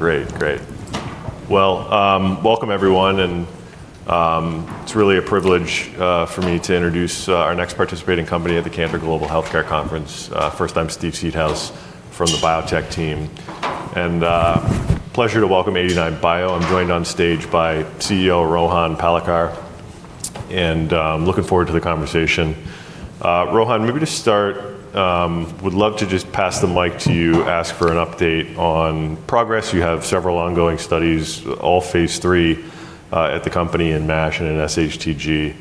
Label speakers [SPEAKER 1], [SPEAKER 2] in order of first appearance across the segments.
[SPEAKER 1] ... Great, great. Welcome everyone, and, it's really a privilege for me to introduce our next participating company at the Cantor Global Healthcare Conference. First, I'm Steve Seedhouse from the biotech team, and, pleasure to welcome 89bio. I'm joined on stage by CEO Rohan Palekar, and I'm looking forward to the conversation. Rohan, maybe to start, would love to just pass the mic to you, ask for an update on progress. You have several ongoing studies, all phase III, at the company in MASH and in SHTG,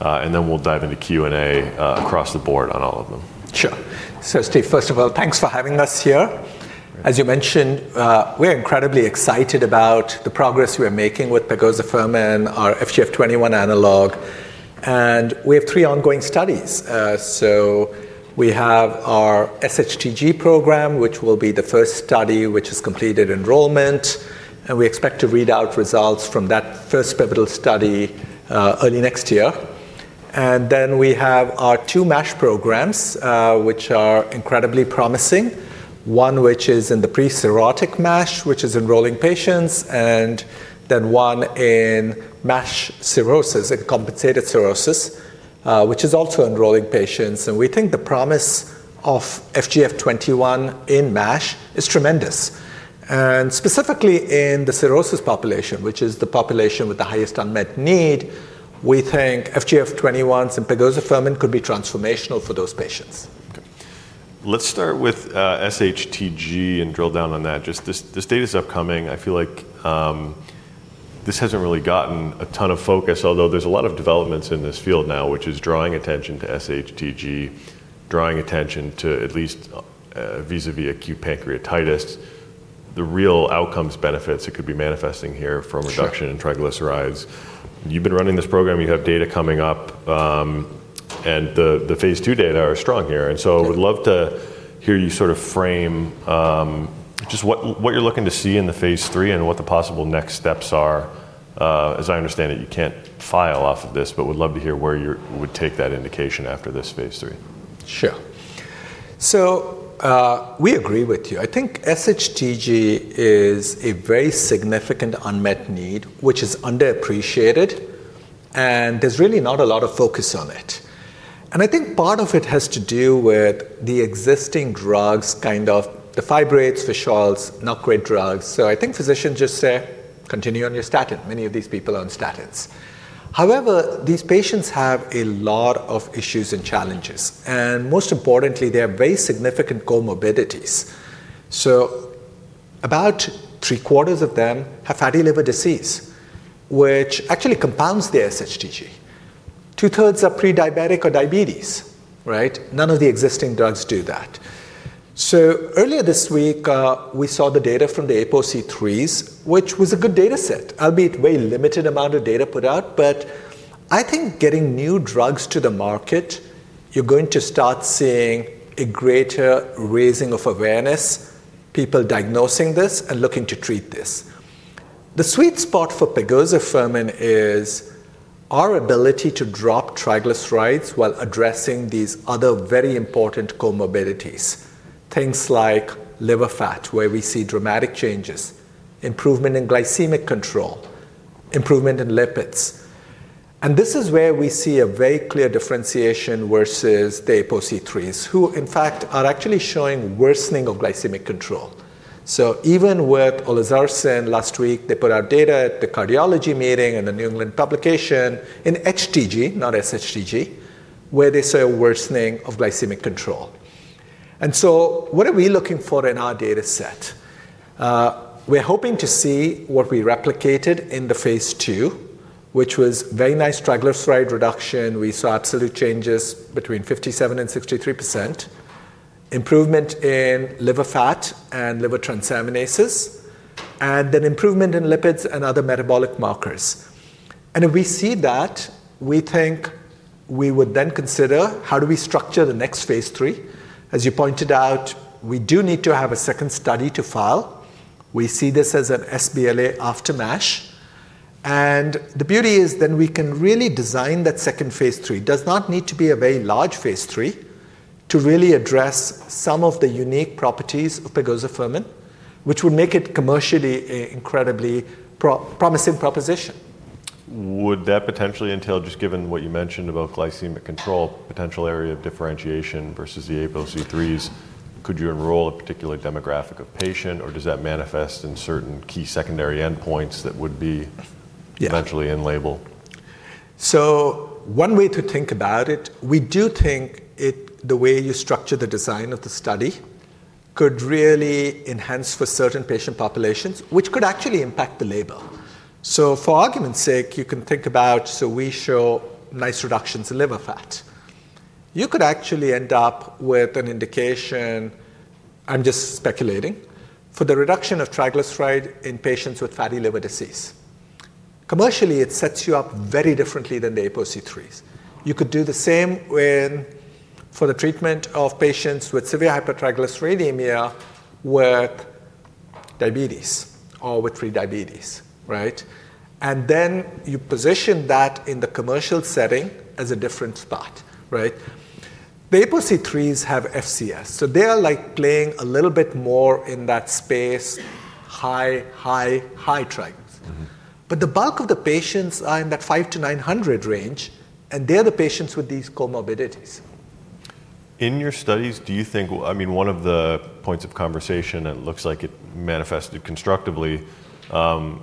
[SPEAKER 1] and then we'll dive into Q&A, across the board on all of them.
[SPEAKER 2] Sure, so Steve, first of all, thanks for having us here. As you mentioned, we're incredibly excited about the progress we're making with pegozafermin, our FGF21 analog, and we have three ongoing studies. So we have our SHTG program, which will be the first study which has completed enrollment, and we expect to read out results from that first pivotal study, early next year. And then we have our two MASH programs, which are incredibly promising, one which is in the pre-cirrhotic MASH, which is enrolling patients, and then one in MASH cirrhosis, in compensated cirrhosis, which is also enrolling patients. And we think the promise of FGF21 in MASH is tremendous. And specifically in the cirrhosis population, which is the population with the highest unmet need, we think FGF21 and pegozafermin could be transformational for those patients.
[SPEAKER 1] Okay. Let's start with SHTG and drill down on that. Just this data is upcoming. I feel like this hasn't really gotten a ton of focus, although there's a lot of developments in this field now, which is drawing attention to SHTG, drawing attention to at least vis-à-vis acute pancreatitis, the real outcomes benefits that could be manifesting here from reduction in triglycerides. You've been running this program, you have data coming up, and the phase II data are strong here.
[SPEAKER 2] Yeah.
[SPEAKER 1] And so would love to hear you sort of frame, just what you're looking to see in the phase III and what the possible next steps are. As I understand it, you can't file off of this, but would love to hear where you would take that indication after this phase III.
[SPEAKER 2] Sure. So, we agree with you. I think SHTG is a very significant unmet need, which is underappreciated, and there's really not a lot of focus on it. And I think part of it has to do with the existing drugs, kind of the fibrates, the fish oils, not great drugs. So I think physicians just say, "Continue on your statin." Many of these people are on statins. However, these patients have a lot of issues and challenges, and most importantly, they have very significant comorbidities. So about three-quarters of them have fatty liver disease, which actually compounds their SHTG. Two-thirds are pre-diabetic or diabetes, right? None of the existing drugs do that. So earlier this week, we saw the data from the APOC3s, which was a good dataset, albeit very limited amount of data put out. I think getting new drugs to the market, you're going to start seeing a greater raising of awareness, people diagnosing this and looking to treat this. The sweet spot for pegozafermin is our ability to drop triglycerides while addressing these other very important comorbidities, things like liver fat, where we see dramatic changes, improvement in glycemic control, improvement in lipids. And this is where we see a very clear differentiation versus the APOC3s, who in fact, are actually showing worsening of glycemic control. So even with olezarsen last week, they put out data at the cardiology meeting and the New England publication in HTG, not SHTG, where they saw a worsening of glycemic control. And so what are we looking for in our dataset? We're hoping to see what we replicated in the phase II, which was very nice triglyceride reduction. We saw absolute changes between 57% and 63%, improvement in liver fat and liver transaminases, and then improvement in lipids and other metabolic markers. And if we see that, we think we would then consider how do we structure the next phase III? As you pointed out, we do need to have a second study to file. We see this as an sBLA after MASH. And the beauty is then we can really design that second phase III. Does not need to be a very large phase III to really address some of the unique properties of pegozafermin, which would make it commercially an incredibly promising proposition.
[SPEAKER 1] Would that potentially entail, just given what you mentioned about glycemic control, potential area of differentiation versus the APOC3s, could you enroll a particular demographic of patient, or does that manifest in certain key secondary endpoints that would be-
[SPEAKER 2] Yeah....
[SPEAKER 1] eventually in label?
[SPEAKER 2] So one way to think about it, we do think the way you structure the design of the study could really enhance for certain patient populations, which could actually impact the label. So for argument's sake, you can think about, so we show nice reductions in liver fat. You could actually end up with an indication, I'm just speculating, for the reduction of triglyceride in patients with fatty liver disease. Commercially, it sets you up very differently than the APOC3s. You could do the same when, for the treatment of patients with severe hypertriglyceridemia, with diabetes or with prediabetes, right? And then you position that in the commercial setting as a different spot, right? The APOC3s have FCS, so they are like playing a little bit more in that space, high, high, high trigs.
[SPEAKER 1] Mm-hmm.
[SPEAKER 2] But the bulk of the patients are in that five to nine hundred range, and they're the patients with these comorbidities.
[SPEAKER 1] In your studies, do you think? I mean, one of the points of conversation, and it looks like it manifested constructively,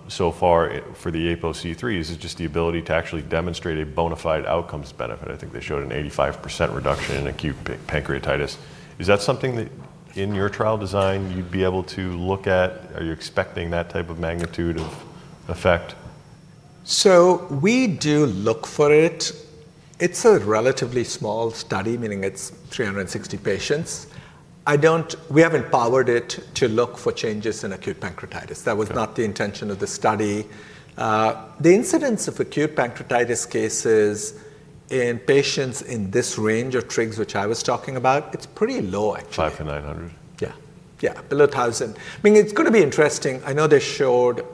[SPEAKER 1] so far for the APOC3, is just the ability to actually demonstrate a bona fide outcomes benefit. I think they showed an 85% reduction in acute pancreatitis. Is that something that in your trial design you'd be able to look at? Are you expecting that type of magnitude of effect?
[SPEAKER 2] We do look for it. It's a relatively small study, meaning it's 360 patients. We haven't powered it to look for changes in acute pancreatitis.
[SPEAKER 1] Okay.
[SPEAKER 2] That was not the intention of the study. The incidence of acute pancreatitis cases in patients in this range of trigs, which I was talking about, it's pretty low, actually.
[SPEAKER 1] 500 to 900?
[SPEAKER 2] Yeah. Yeah, below thousand. I mean, it's gonna be interesting. I know they showed...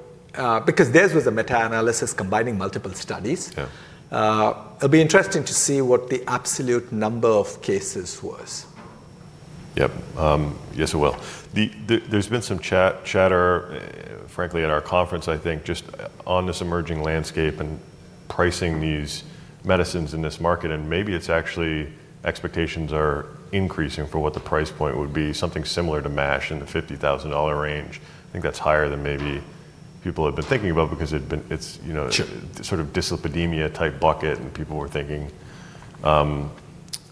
[SPEAKER 2] Because theirs was a meta-analysis combining multiple studies.
[SPEAKER 1] Yeah.
[SPEAKER 2] It'll be interesting to see what the absolute number of cases was.
[SPEAKER 1] Yep, yes, it will. There's been some chatter, frankly, at our conference, I think, just on this emerging landscape and pricing these medicines in this market, and maybe it's actually expectations are increasing for what the price point would be, something similar to MASH in the $50,000 range. I think that's higher than maybe people have been thinking about because it's, you know-
[SPEAKER 2] Sure....
[SPEAKER 1] sort of dyslipidemia-type bucket, and people were thinking,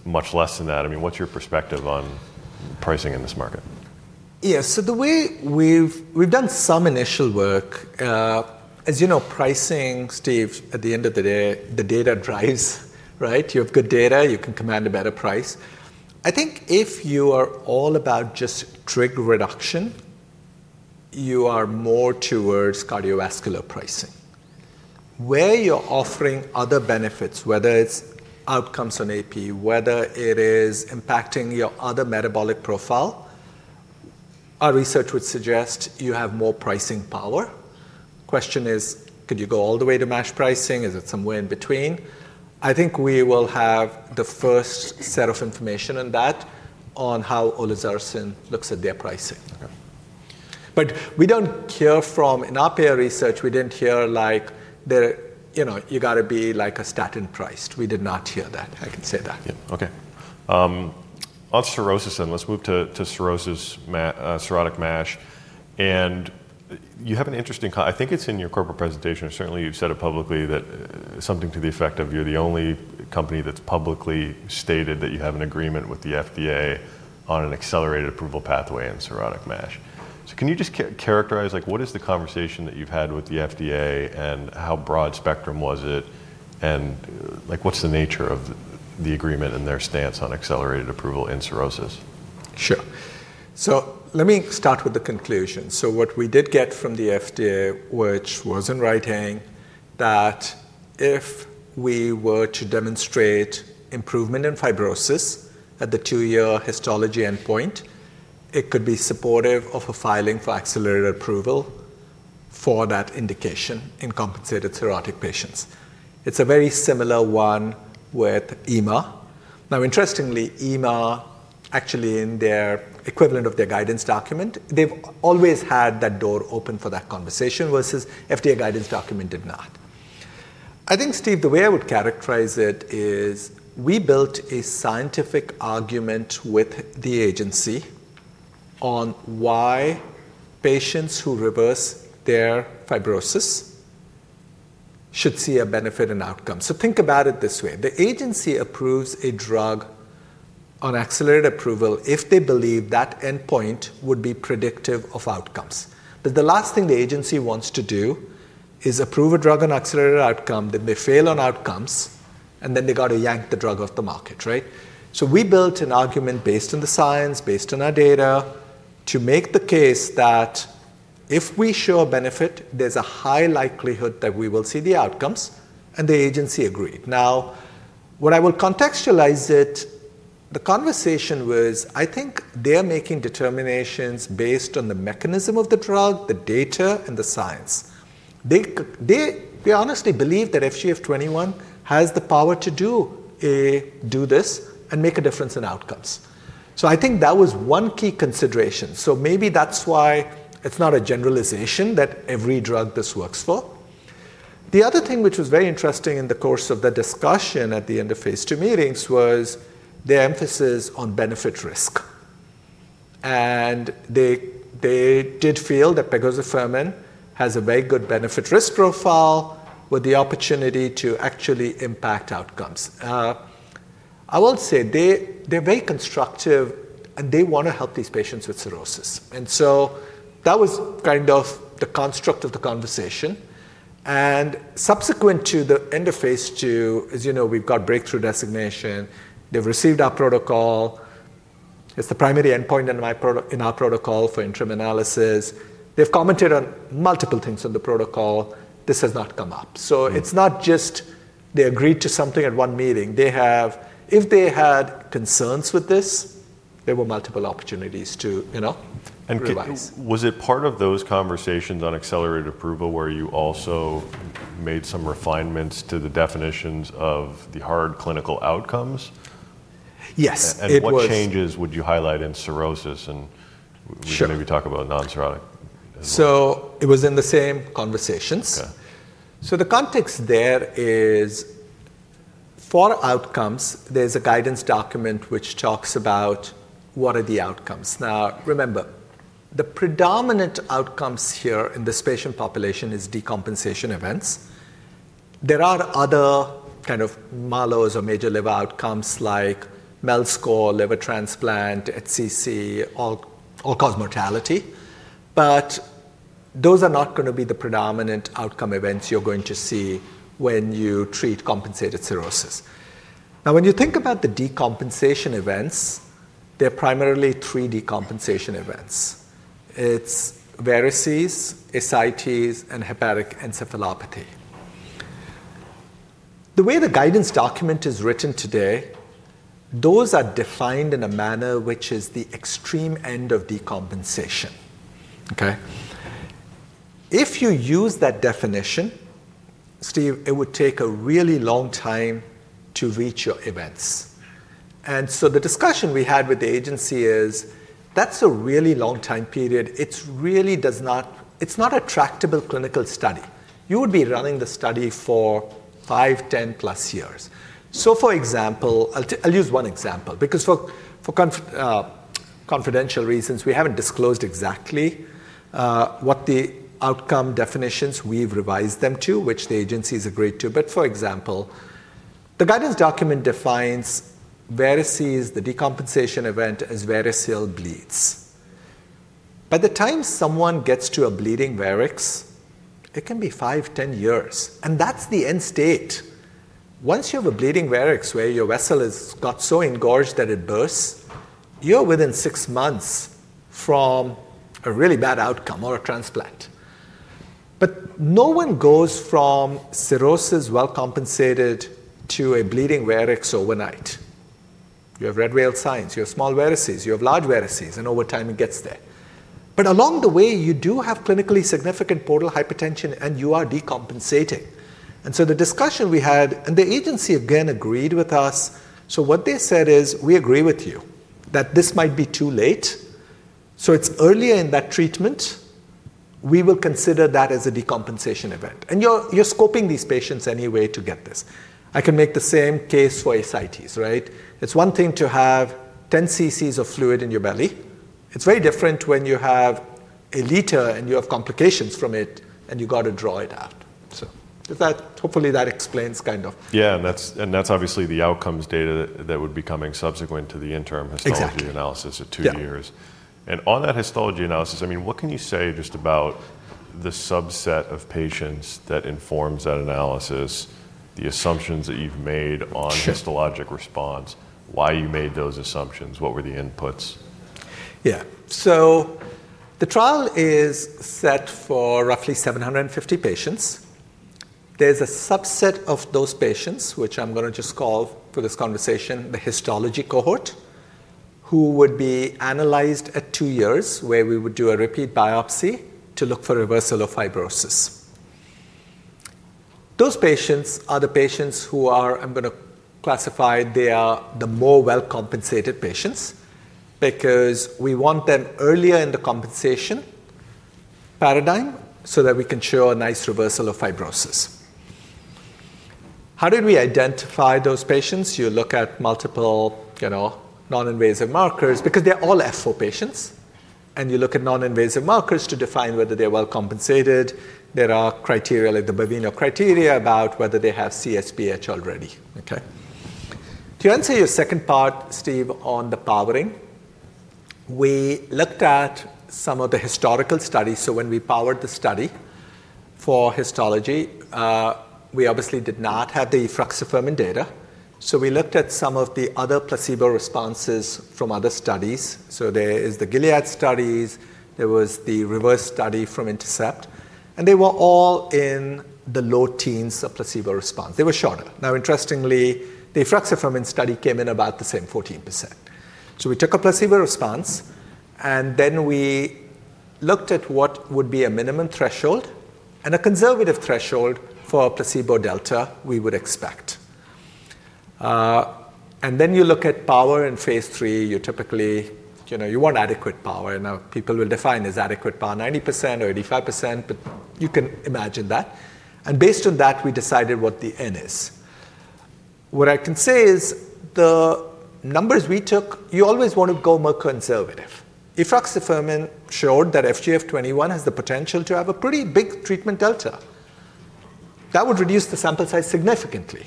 [SPEAKER 1] much less than that. I mean, what's your perspective on pricing in this market?
[SPEAKER 2] Yeah, so the way we've done some initial work. As you know, pricing, Steve, at the end of the day, the data drives, right? You have good data, you can command a better price. I think if you are all about just trig reduction, you are more towards cardiovascular pricing. Where you're offering other benefits, whether it's outcomes on AP, whether it is impacting your other metabolic profile, our research would suggest you have more pricing power. Question is, could you go all the way to MASH pricing? Is it somewhere in between? I think we will have the first set of information on that, on how olezarsen looks at their pricing.
[SPEAKER 1] Yeah.
[SPEAKER 2] In our peer research, we didn't hear, like, the, you know, "You gotta be like a statin price." We did not hear that. I can say that.
[SPEAKER 1] Yeah. Okay. On cirrhosis, then, let's move to cirrhotic MASH, and you have an interesting comment. I think it's in your corporate presentation, or certainly you've said it publicly, that something to the effect of you're the only company that's publicly stated that you have an agreement with the FDA on an accelerated approval pathway in cirrhotic MASH. So can you just characterize, like, what is the conversation that you've had with the FDA, and how broad spectrum was it, and, like, what's the nature of the agreement and their stance on accelerated approval in cirrhosis?
[SPEAKER 2] Sure. So let me start with the conclusion. So what we did get from the FDA, which was in writing, that if we were to demonstrate improvement in fibrosis at the two-year histology endpoint, it could be supportive of a filing for accelerated approval for that indication in compensated cirrhotic patients. It's a very similar one with EMA. Now, interestingly, EMA, actually in their equivalent of their guidance document, they've always had that door open for that conversation, versus FDA guidance document did not. I think, Steve, the way I would characterize it is we built a scientific argument with the agency on why patients who reverse their fibrosis should see a benefit in outcomes. So think about it this way: the agency approves a drug on accelerated approval if they believe that endpoint would be predictive of outcomes. But the last thing the agency wants to do is approve a drug on accelerated outcome, then they fail on outcomes, and then they got to yank the drug off the market, right? So we built an argument based on the science, based on our data, to make the case that if we show a benefit, there's a high likelihood that we will see the outcomes, and the agency agreed. Now, what I will contextualize it, the conversation was. I think they are making determinations based on the mechanism of the drug, the data, and the science. They honestly believe that FGF21 has the power to do this and make a difference in outcomes. So I think that was one key consideration. So maybe that's why it's not a generalization that every drug this works for. The other thing which was very interesting in the course of the discussion at the end of phase II meetings was the emphasis on benefit-risk. They did feel that pegozafermin has a very good benefit-risk profile with the opportunity to actually impact outcomes. I will say, they're very constructive, and they wanna help these patients with cirrhosis. So that was kind of the construct of the conversation. Subsequent to the end of phase II, as you know, we've got breakthrough designation. They've received our protocol. It's the primary endpoint in our protocol for interim analysis. They've commented on multiple things in the protocol. This has not come up.
[SPEAKER 1] Mm.
[SPEAKER 2] It's not just they agreed to something at one meeting. If they had concerns with this, there were multiple opportunities to, you know, revise.
[SPEAKER 1] Was it part of those conversations on accelerated approval where you also made some refinements to the definitions of the hard clinical outcomes?
[SPEAKER 2] Yes, it was-
[SPEAKER 1] And what changes would you highlight in cirrhosis? And-
[SPEAKER 2] Sure
[SPEAKER 1] We can maybe talk about non-cirrhotic as well.
[SPEAKER 2] So it was in the same conversations.
[SPEAKER 1] Okay.
[SPEAKER 2] The context there is for outcomes. There's a guidance document which talks about what are the outcomes. Now, remember, the predominant outcomes here in this patient population is decompensation events. There are other kind of MALOs or major liver outcomes like MELD score, liver transplant, HCC, all-cause mortality. But those are not going to be the predominant outcome events you're going to see when you treat compensated cirrhosis. Now, when you think about the decompensation events, they're primarily three decompensation events. It's varices, ascites, and hepatic encephalopathy. The way the guidance document is written today, those are defined in a manner which is the extreme end of decompensation, okay? If you use that definition, Steve, it would take a really long time to reach your events. And so the discussion we had with the agency is, that's a really long time period. It's not a tractable clinical study. You would be running the study for five, 10-plus years. For example, I'll use one example because for confidential reasons, we haven't disclosed exactly what the outcome definitions we've revised them to, which the agency has agreed to. For example, the guidance document defines varices, the decompensation event, as variceal bleeds. By the time someone gets to a bleeding varix, it can be five, 10 years, and that's the end state. Once you have a bleeding varix, where your vessel has got so engorged that it bursts, you're within six months from a really bad outcome or a transplant. No one goes from cirrhosis well compensated to a bleeding varix overnight. You have red wale signs, you have small varices, you have large varices, and over time it gets there. But along the way, you do have clinically significant portal hypertension, and you are decompensating. And so the discussion we had, and the agency again agreed with us, so what they said is, "We agree with you that this might be too late. So it's earlier in that treatment, we will consider that as a decompensation event." And you're scoping these patients anyway to get this. I can make the same case for ascites, right? It's one thing to have ten cc's of fluid in your belly. It's very different when you have a liter, and you have complications from it, and you got to draw it out. So does that... Hopefully, that explains kind of.
[SPEAKER 1] Yeah, and that's obviously the outcomes data that would be coming subsequent to the interim histology.
[SPEAKER 2] Exactly
[SPEAKER 1] Analysis at two years.
[SPEAKER 2] Yeah.
[SPEAKER 1] On that histology analysis, I mean, what can you say just about the subset of patients that informs that analysis, the assumptions that you've made on?
[SPEAKER 2] Sure
[SPEAKER 1] Histologic response, why you made those assumptions? What were the inputs?
[SPEAKER 2] Yeah. So the trial is set for roughly 750 patients. There's a subset of those patients, which I'm going to just call for this conversation, the histology cohort, who would be analyzed at two years, where we would do a repeat biopsy to look for reversal of fibrosis. Those patients are the patients who are... I'm going to classify they are the more well-compensated patients because we want them earlier in the compensation paradigm so that we can show a nice reversal of fibrosis. How did we identify those patients? You look at multiple, you know, non-invasive markers because they're all F4 patients, and you look at non-invasive markers to define whether they're well compensated. There are criteria, like the Baveno criteria, about whether they have CSPH already, okay? To answer your second part, Steve, on the powering, we looked at some of the historical studies. So when we powered the study for histology, we obviously did not have the efruxifermin data, so we looked at some of the other placebo responses from other studies. So there is the Gilead studies, there was the REVERSE study from Intercept, and they were all in the low teens of placebo response. They were shorter. Now, interestingly, the efruxifermin study came in about the same, 14%. So we took a placebo response, and then we looked at what would be a minimum threshold and a conservative threshold for a placebo delta we would expect. And then you look at power in phase III, you typically, you know, you want adequate power. Now, people will define as adequate power, 90% or 85%, but you can imagine that, and based on that, we decided what the N is. What I can say is the numbers we took, you always want to go more conservative. Efruxifermin showed that FGF21 has the potential to have a pretty big treatment delta. That would reduce the sample size significantly,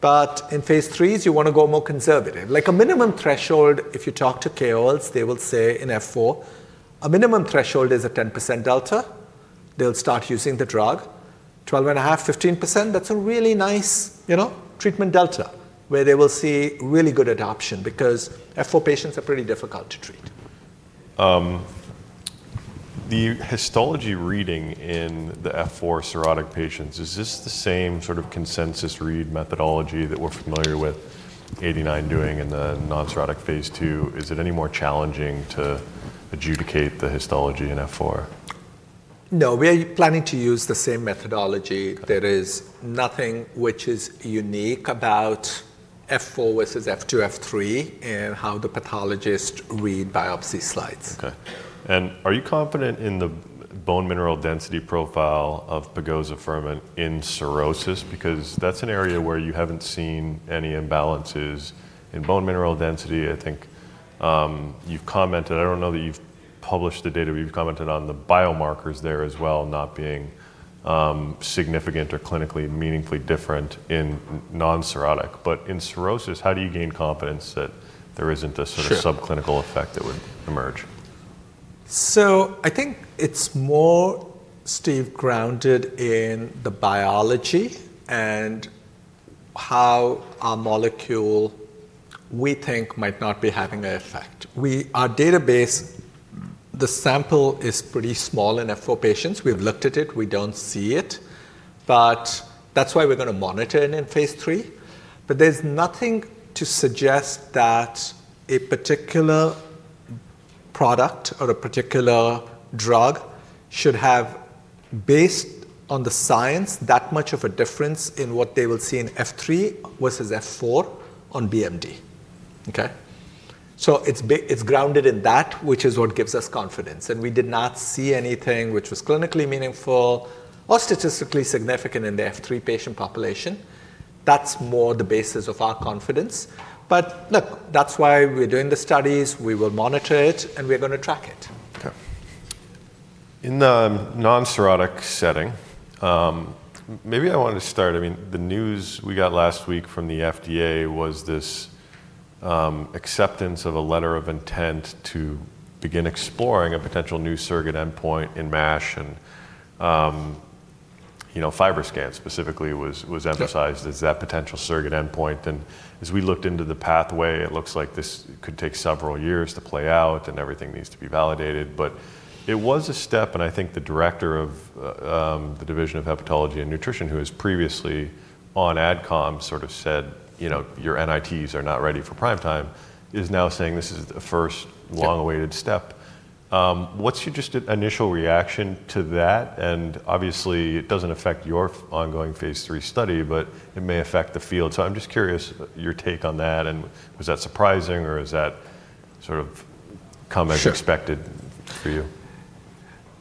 [SPEAKER 2] but in phase IIIs, you want to go more conservative. Like a minimum threshold, if you talk to KOLs, they will say in F4, a minimum threshold is a 10% delta. They will start using the drug. 12.5, 15%, that's a really nice, you know, treatment delta, where they will see really good adoption because F4 patients are pretty difficult to treat.
[SPEAKER 1] The histology reading in the F4 cirrhotic patients, is this the same sort of consensus read methodology that we're familiar with 89bio doing in the non-cirrhotic phase II? Is it any more challenging to adjudicate the histology in F4?
[SPEAKER 2] No, we are planning to use the same methodology.
[SPEAKER 1] Okay.
[SPEAKER 2] There is nothing which is unique about F4 versus F2, F3, and how the pathologist read biopsy slides.
[SPEAKER 1] Okay. And are you confident in the bone mineral density profile of pegozafermin in cirrhosis? Because that's an area where you haven't seen any imbalances in bone mineral density. I think, you've commented, I don't know that you've published the data, but you've commented on the biomarkers there as well, not being, significant or clinically meaningfully different in non-cirrhotic. But in cirrhosis, how do you gain confidence that there isn't a sort of-
[SPEAKER 2] Sure...
[SPEAKER 1] subclinical effect that would emerge?
[SPEAKER 2] So I think it's more, Steve, grounded in the biology and how our molecule, we think, might not be having an effect. Our database, the sample is pretty small in F4 patients. We've looked at it, we don't see it, but that's why we're going to monitor it in phase III. But there's nothing to suggest that a particular product or a particular drug should have, based on the science, that much of a difference in what they will see in F3 versus F4 on BMD, okay? So it's grounded in that, which is what gives us confidence, and we did not see anything which was clinically meaningful or statistically significant in the F3 patient population. That's more the basis of our confidence. But look, that's why we're doing the studies. We will monitor it, and we're going to track it.
[SPEAKER 1] Okay. In the non-cirrhotic setting, maybe I wanted to start. I mean, the news we got last week from the FDA was this, acceptance of a letter of intent to begin exploring a potential new surrogate endpoint in MASH and, you know, FibroScan specifically was emphasized.
[SPEAKER 2] Yeah...
[SPEAKER 1] as that potential surrogate endpoint, and as we looked into the pathway, it looks like this could take several years to play out, and everything needs to be validated. But it was a step, and I think the director of the Division of Hepatology and Nutrition, who was previously on AdCom, sort of said, "You know, your NITs are not ready for prime time," is now saying, "This is the first long-awaited step.
[SPEAKER 2] Yeah.
[SPEAKER 1] What's your just initial reaction to that? And obviously, it doesn't affect your ongoing phase III study, but it may affect the field. So I'm just curious your take on that, and was that surprising, or is that sort of come as expected-
[SPEAKER 2] Sure...
[SPEAKER 1] for you?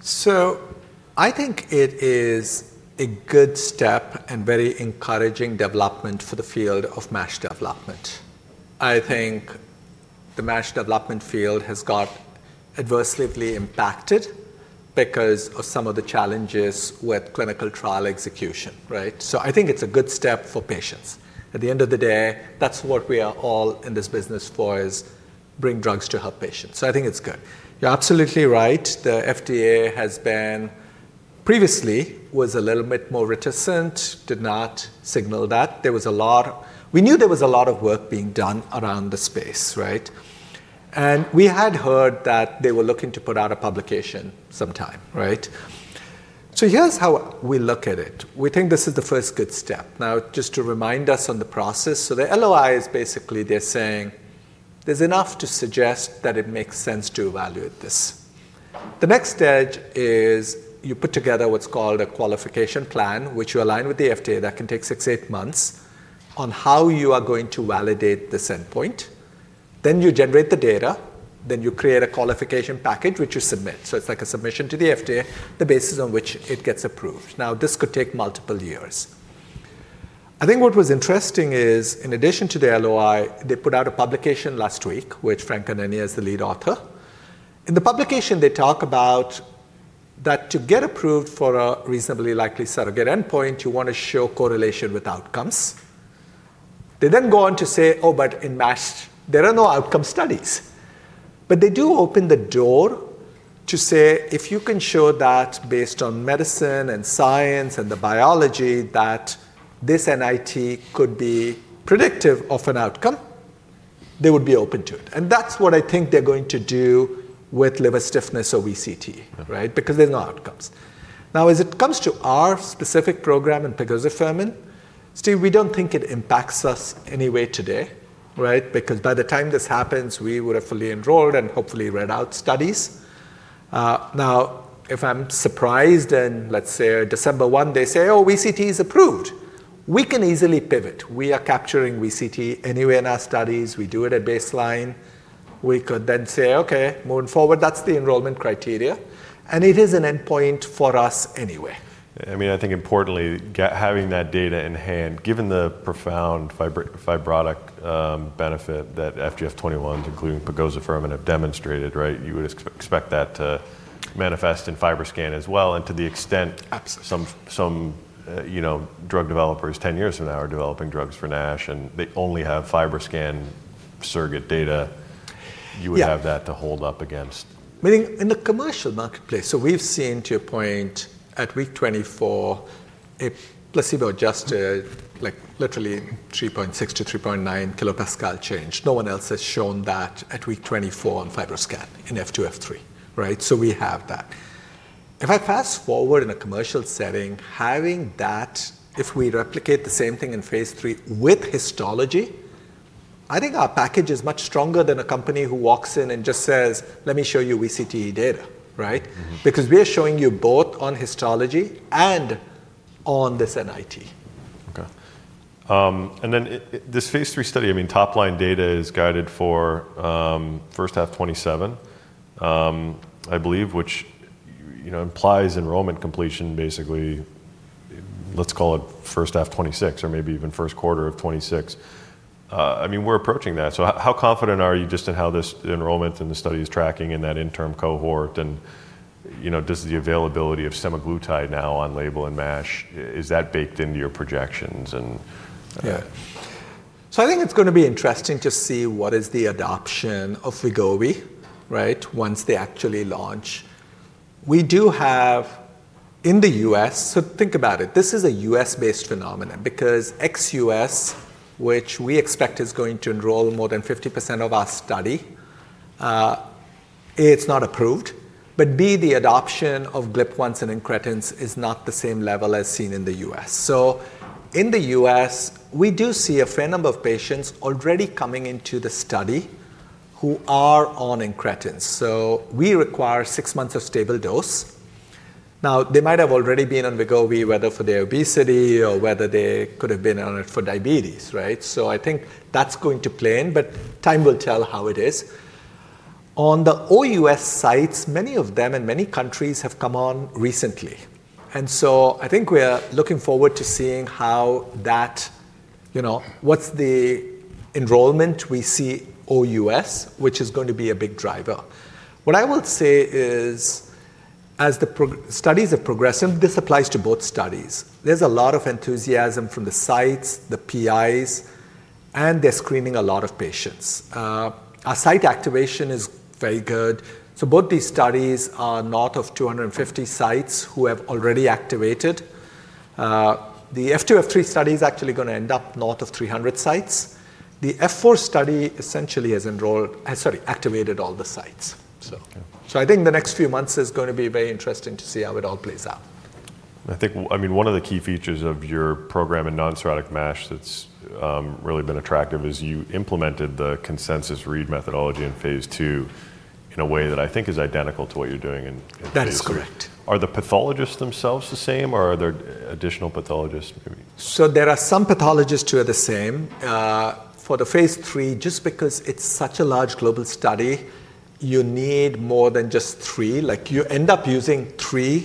[SPEAKER 2] So I think it is a good step and very encouraging development for the field of MASH development. I think the MASH development field has got adversely impacted because of some of the challenges with clinical trial execution, right? So I think it's a good step for patients. At the end of the day, that's what we are all in this business for, is bring drugs to help patients. So I think it's good. You're absolutely right. The FDA has been previously a little bit more reticent, did not signal that. There was a lot. We knew there was a lot of work being done around the space, right? And we had heard that they were looking to put out a publication sometime, right? So here's how we look at it. We think this is the first good step. Now, just to remind us on the process, so the LOI is basically they're saying there's enough to suggest that it makes sense to evaluate this. The next stage is you put together what's called a qualification plan, which you align with the FDA. That can take six-eight months on how you are going to validate this endpoint. Then you generate the data, then you create a qualification package, which you submit so it's like a submission to the FDA, the basis on which it gets approved. Now, this could take multiple years. I think what was interesting is, in addition to the LOI, they put out a publication last week, which Frank Anania is the lead author. In the publication, they talk about that to get approved for a reasonably likely surrogate endpoint, you want to show correlation with outcomes. They then go on to say, "Oh, but in MASH, there are no outcome studies." But they do open the door to say, if you can show that based on medicine and science and the biology, that this NIT could be predictive of an outcome, they would be open to it. And that's what I think they're going to do with liver stiffness or VCTE, right?
[SPEAKER 1] Mm-hmm.
[SPEAKER 2] Because there are no outcomes. Now, as it comes to our specific program in pegozafermin, Steve, we don't think it impacts us in any way today, right? Because by the time this happens, we would have fully enrolled and hopefully read out studies. Now, if I'm surprised and let's say December one, they say: "Oh, VCTE is approved," we can easily pivot. We are capturing VCTE anyway in our studies. We do it at baseline. We could then say, "Okay, moving forward, that's the enrollment criteria," and it is an endpoint for us anyway.
[SPEAKER 1] I mean, I think importantly, having that data in hand, given the profound fibrotic benefit that FGF21, including pegozafermin, have demonstrated, right? You would expect that to manifest in FibroScan as well, and to the extent-
[SPEAKER 2] Absolutely...
[SPEAKER 1] some you know drug developers ten years from now are developing drugs for NASH, and they only have FibroScan surrogate data-
[SPEAKER 2] Yeah...
[SPEAKER 1] you would have that to hold up against.
[SPEAKER 2] Meaning in the commercial marketplace, so we've seen, to your point, at week twenty-four a placebo-adjusted, like literally three point six to three point nine kilopascal change. No one else has shown that at week twenty-four on FibroScan in F2, F3, right? So we have that. If I fast-forward in a commercial setting, having that, if we replicate the same thing in phase III with histology, I think our package is much stronger than a company who walks in and just says, "Let me show you VCTE data," right?
[SPEAKER 1] Mm-hmm.
[SPEAKER 2] Because we are showing you both on histology and on this NIT.
[SPEAKER 1] Okay. And then this phase III study, I mean, top-line data is guided for first half 2027, I believe, which, you know, implies enrollment completion, basically, let's call it first half 2026, or maybe even first quarter of 2026. I mean, we're approaching that. So how confident are you just in how this enrollment and the study is tracking in that interim cohort? And, you know, does the availability of semaglutide now on label in MASH is that baked into your projections, and-
[SPEAKER 2] Yeah. So I think it's going to be interesting to see what is the adoption of Wegovy, right, once they actually launch. We do have, in the US... So think about it. This is a U.S.-based phenomenon because ex-U.S., which we expect is going to enroll more than 50% of our study, A, it's not approved, but B, the adoption of GLP-1s and incretins is not the same level as seen in the U.S. So in the U.S., we do see a fair number of patients already coming into the study who are on incretins, so we require six months of stable dose. Now, they might have already been on Wegovy, whether for their obesity or whether they could have been on it for diabetes, right? So I think that's going to play in, but time will tell how it is. On the OUS sites, many of them in many countries have come on recently, and so I think we are looking forward to seeing how that, you know, what's the enrollment we see OUS, which is going to be a big driver. What I will say is, as the studies are progressing, this applies to both studies, there's a lot of enthusiasm from the sites, the PIs, and they're screening a lot of patients. Our site activation is very good, so both these studies are north of 250 sites who have already activated. The F2, F3 study is actually going to end up north of 300 sites. The F4 study essentially has activated all the sites.
[SPEAKER 1] Okay.
[SPEAKER 2] I think the next few months is going to be very interesting to see how it all plays out.
[SPEAKER 1] I think, I mean, one of the key features of your program in non-cirrhotic MASH that's really been attractive is you implemented the consensus read methodology in phase II in a way that I think is identical to what you're doing in phase III.
[SPEAKER 2] That is correct.
[SPEAKER 1] Are the pathologists themselves the same, or are there additional pathologists maybe?
[SPEAKER 2] So there are some pathologists who are the same. For the phase III, just because it's such a large global study, you need more than just three. Like, you end up using three,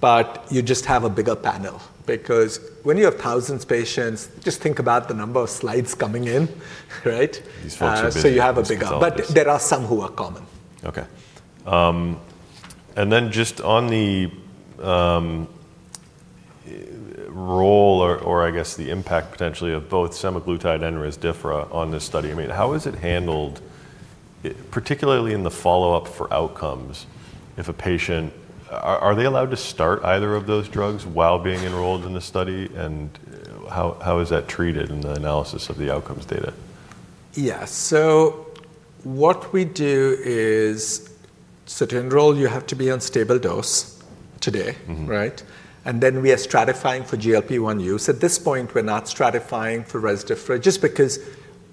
[SPEAKER 2] but you just have a bigger panel because when you have thousands of patients, just think about the number of slides coming in, right?
[SPEAKER 1] These folks are busy.
[SPEAKER 2] So you have a bigger-
[SPEAKER 1] Pathologists.
[SPEAKER 2] But there are some who are common.
[SPEAKER 1] Okay. And then just on the role or I guess the impact potentially of both semaglutide and Rezdiffra on this study, I mean, how is it handled, particularly in the follow-up for outcomes, if a patient... Are they allowed to start either of those drugs while being enrolled in the study? And how is that treated in the analysis of the outcomes data?
[SPEAKER 2] Yeah. So what we do is: so to enroll, you have to be on stable dose today.
[SPEAKER 1] Mm-hmm.
[SPEAKER 2] Right? And then we are stratifying for GLP-1 use. At this point, we're not stratifying for Rezdiffra just because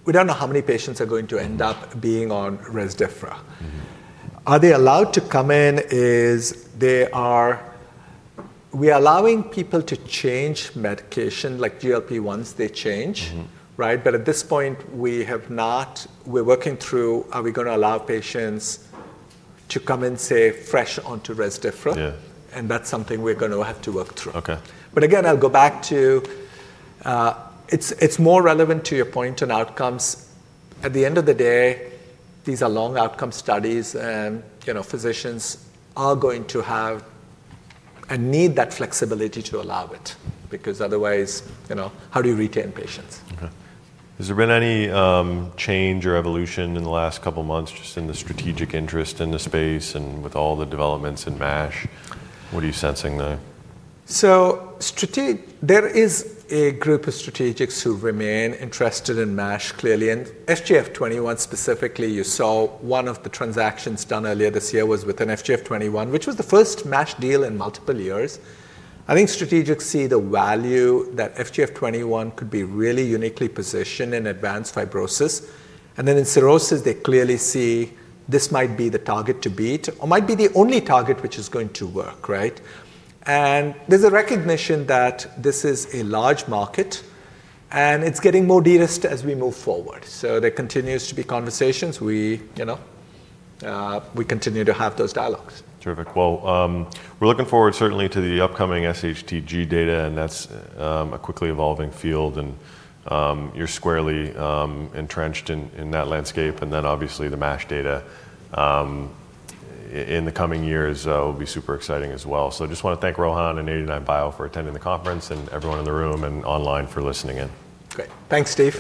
[SPEAKER 2] we don't know how many patients are going to end up...
[SPEAKER 1] Mm...
[SPEAKER 2] being on Rezdiffra.
[SPEAKER 1] Mm-hmm.
[SPEAKER 2] Are they allowed to come in if they are? We are allowing people to change medication, like GLP-1s, they change.
[SPEAKER 1] Mm-hmm.
[SPEAKER 2] Right? But at this point, we have not. We're working through, are we going to allow patients to come in, say, fresh onto Rezdiffra?
[SPEAKER 1] Yeah.
[SPEAKER 2] That's something we're going to have to work through.
[SPEAKER 1] Okay.
[SPEAKER 2] But again, I'll go back to, it's more relevant to your point on outcomes. At the end of the day, these are long outcome studies, and, you know, physicians are going to have and need that flexibility to allow it, because otherwise, you know, how do you retain patients?
[SPEAKER 1] Okay. Has there been any change or evolution in the last couple of months just in the strategic interest in the space and with all the developments in MASH? What are you sensing there?
[SPEAKER 2] So there is a group of strategics who remain interested in MASH, clearly, and FGF21, specifically. You saw one of the transactions done earlier this year was with an FGF21, which was the first MASH deal in multiple years. I think strategics see the value that FGF21 could be really uniquely positioned in advanced fibrosis, and then in cirrhosis, they clearly see this might be the target to beat, or might be the only target which is going to work, right? And there's a recognition that this is a large market, and it's getting more de-risked as we move forward. So there continues to be conversations. We, you know, we continue to have those dialogues.
[SPEAKER 1] Terrific. Well, we're looking forward certainly to the upcoming SHTG data, and that's a quickly evolving field, and you're squarely entrenched in that landscape, and then obviously, the MASH data in the coming years will be super exciting as well. So I just want to thank Rohan and 89bio for attending the conference and everyone in the room and online for listening in.
[SPEAKER 2] Great. Thanks, Steve.